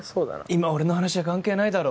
今俺の話は関係ないだろ。